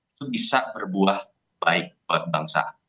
itu bisa berbuah baik buat bangsa